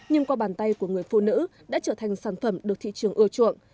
nhưng qua bàn tay của người phụ nữ đã trở thành sản phẩm được thị trường ưa chuộng